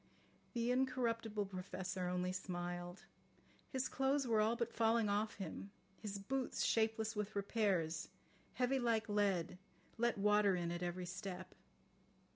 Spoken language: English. The incorruptible Professor only smiled. His clothes were all but falling off him, his boots, shapeless with repairs, heavy like lead, let water in at every step.